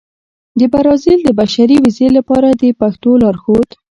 د برازيل د بشري ویزې لپاره د پښتو لارښود